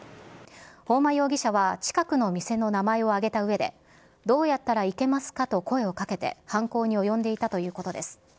本間容疑者は、近くの店の名前を挙げたうえでどうやったら行けますかと声をかけて犯行に及んでいたということです。